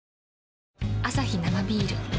アサヒ生ビール